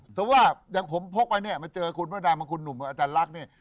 สมมุติว่าอย่างผมพกไปมาเจอคุณพ่อดามคุณหนุ่มอาจารย์ลักษณ์